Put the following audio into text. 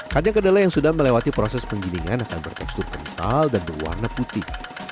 kacang kedelai yang sudah melewati proses penggilingan akan bertekstur kental dan berwarna putih